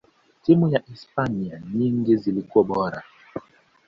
timu za hispania nyingi zilikuwa bora